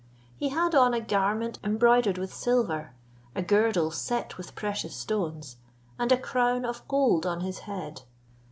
He had on a garment embroidered with silver, a girdle set with precious stones, and a crown of gold on his head.